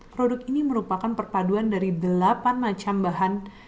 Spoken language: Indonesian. produk ini merupakan perpaduan dari delapan macam bahan